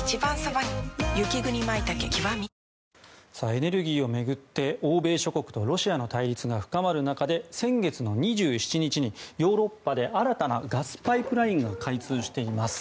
エネルギーを巡って欧米諸国とロシアの対立が深まる中で、先月の２７日にヨーロッパで新たなガスパイプラインが開通しています。